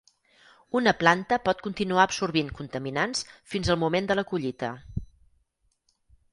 Una planta pot continuar absorbint contaminants fins al moment de la collita.